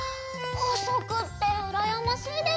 細くってうらやましいです！